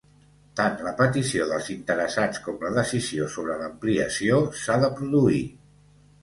Tant la petició dels interessats com la decisió sobre l'ampliació s'ha de produir.